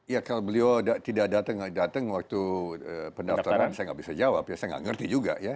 ya kalau beliau tidak datang waktu pendaftaran saya nggak bisa jawab ya saya nggak ngerti juga ya